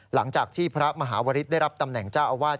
หลังจากที่พระมหาวริสได้รับตำแหน่งเจ้าอาวาส